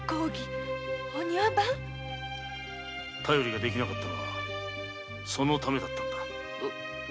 便りができなかったのはそのためだったんだ。